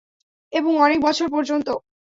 এবং অনেক বছর পর্যন্ত।